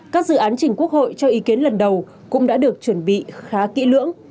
các dự án chỉnh quốc hội cho ý kiến lần đầu cũng đã được chuẩn bị khá kỹ lưỡng